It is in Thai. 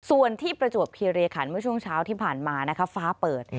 ส่วนที่ประจวบคิริขันเมื่อช่วงเช้าที่ผ่านมานะคะฟ้าเปิด